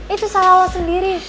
itu salah lo sendiri